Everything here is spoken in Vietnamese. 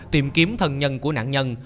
tìm kiếm thân nhân của nạn nhân